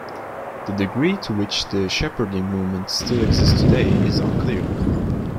The degree to which the Shepherding Movement still exists today is unclear.